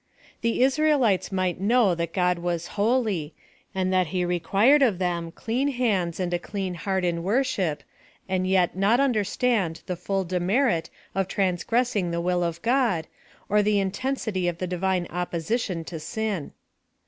The Israelites might know that God was holy, and that he required of them clean hands and a clean heart in worship, and yet not un derstand the full demerit of transffressii or the will of God, or the intensity of the Divine opposition to sin.